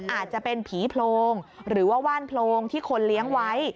อาจจะเป็นผีโพรงหรือว่าว่านโพรงที่คนเลี้ยงไว้